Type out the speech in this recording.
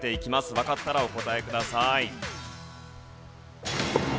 わかったらお答えください。